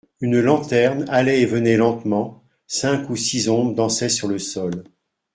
Une lanterne allait et venait lentement, cinq ou six ombres dansaient sur le sol.